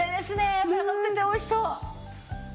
脂のってて美味しそう！